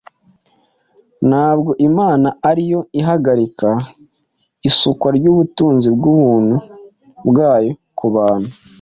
Ntabwo Imana ari yo ihagarika isukwa ry’ubutunzi bw’ubuntu bwayo ku bantu.